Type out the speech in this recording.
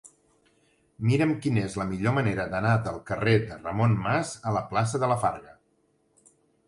Mira'm quina és la millor manera d'anar del carrer de Ramon Mas a la plaça de la Farga.